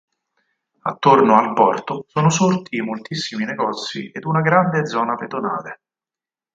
Attorno al porto sono sorti moltissimi negozi e una grande zona pedonale.